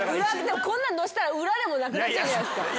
こんなん載せたら裏でもなくなっちゃうじゃないですか。